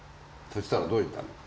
そしたらどう言ったの？